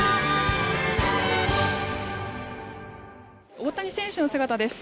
大谷選手の姿です。